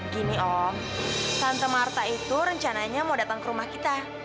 gini om tante marta itu rencananya mau datang ke rumah kita